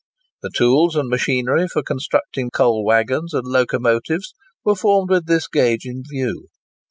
The tools and machinery for constructing coal waggons and locomotives were formed with this gauge in view.